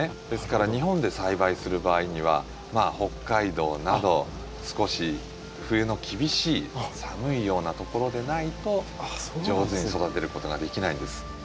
ですから日本で栽培する場合には北海道など少し冬の厳しい寒いようなところでないと上手に育てることができないんです。